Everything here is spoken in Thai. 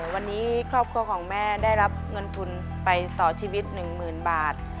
วันนี้ครอบครัวของแม่ได้รับเงินทุนไปต่อชีวิต๑๐๐๐บาท